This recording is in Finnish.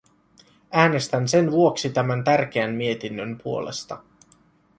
Äänestän sen vuoksi tämän tärkeän mietinnön puolesta.